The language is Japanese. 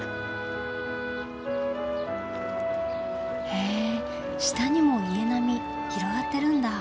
へえ下にも家並み広がってるんだ。